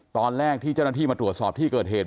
ตอนแรกที่เจ้าหน้าที่มาตรวจสอบที่เกิดเหตุ